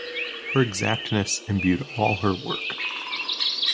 Her exactness imbued all her work.